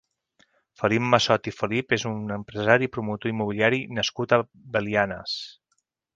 Felip Massot i Felip és un empresari i promotor immobiliari nascut a Belianes.